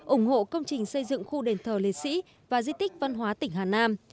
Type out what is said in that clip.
ủng hộ công trình xây dựng khu đền thờ liệt sĩ và di tích văn hóa tỉnh hà nam